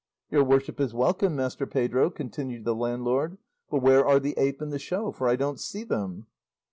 "Your worship is welcome, Master Pedro," continued the landlord; "but where are the ape and the show, for I don't see them?"